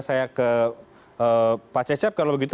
saya ke pak cecep kalau begitu